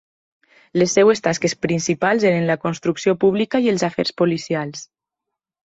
Les seves tasques principals eren la construcció pública i els afers policials.